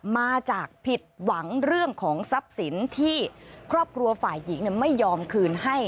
มาจากผิดหวังเรื่องของทรัพย์สินที่ครอบครัวฝ่ายหญิงไม่ยอมคืนให้